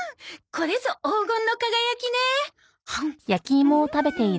これぞ黄金の輝きね！